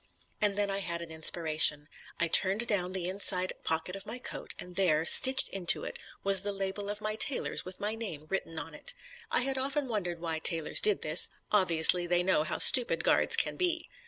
And then I had an inspiration. I turned down the inside pocket of my coat, and there, stitched into it, was the label of my tailor's with my name written on it. I had often wondered why tailors did this; obviously they know how stupid guards can be.